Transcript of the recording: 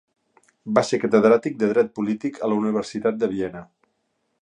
Va ser catedràtic de dret polític a la Universitat de Viena.